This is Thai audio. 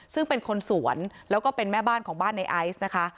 ซึ่งเป็นคนสวนแล้วก็เป็นแม่บ้านของบ้านในไอซ์นะคะ